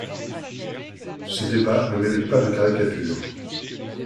Ce débat ne mérite pas de caricatures.